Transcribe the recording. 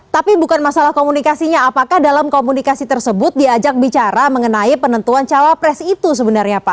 tapi bukan masalah komunikasinya apakah dalam komunikasi tersebut diajak bicara mengenai penentuan cawapres itu sebenarnya pak